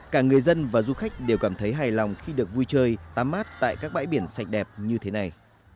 cả người dân và du khách đều cảm thấy hài lòng khi được vui chơi tắm mát tại các bãi biển sạch đẹp như thế này